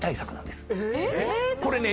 これね